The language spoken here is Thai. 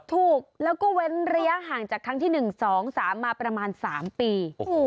ถูกแล้วก็เว้นระยะห่างจากครั้งที่๑๒๓มาประมาณ๓ปี